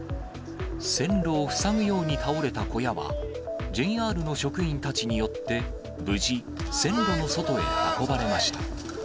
線路を塞ぐように倒れた小屋は、ＪＲの職員たちによって、無事、線路の外へ運ばれました。